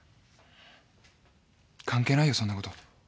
関係ないよそんなこと。